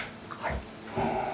はい。